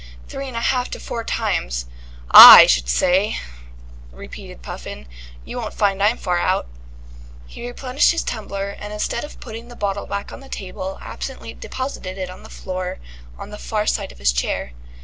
"Three and a half to four times, I should say," repeated Puffin. "You won't find I'm far out." He replenished his big tumbler, and instead of putting the bottle back on the table, absently deposited it on the floor on the far side of his chair.